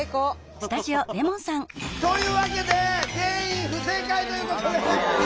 というわけで全員不正解ということで。